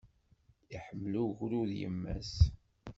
Iḥemmel ugrud yemma-s.